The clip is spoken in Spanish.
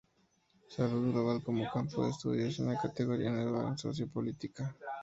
Salud global como campo de estudio es una categoría nueva en socio-política.